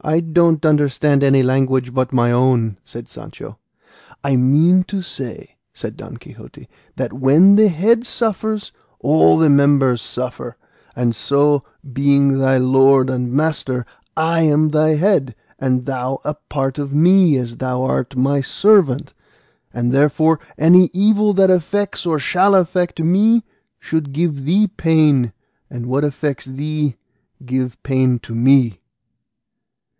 "I don't understand any language but my own," said Sancho. "I mean to say," said Don Quixote, "that when the head suffers all the members suffer; and so, being thy lord and master, I am thy head, and thou a part of me as thou art my servant; and therefore any evil that affects or shall affect me should give thee pain, and what affects thee give pain to me."